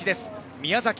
宮崎。